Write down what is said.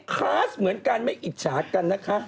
คลาสเหมือนกันไม่อิจฉากันนะคะ